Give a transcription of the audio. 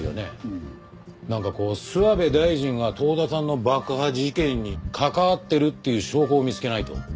なんかこう諏訪部大臣が遠田さんの爆破事件に関わってるっていう証拠を見つけないと。